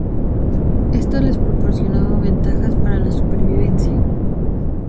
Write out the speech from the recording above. Esto les proporcionaba ventajas para la supervivencia.